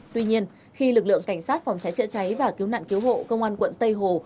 tuy nhiên khi lực lượng cảnh sát phòng cháy chữa cháy và cứu nạn cứu hộ công an quận tây hồ